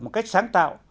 một cách sáng tạo